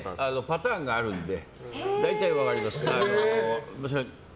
パターンがあるので大体分かります。